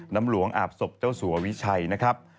น้ำหลวงอาบศพเจ้าสัววิชัยนะครับ